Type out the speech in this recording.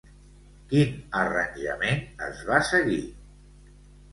Quin arranjament es va seguir?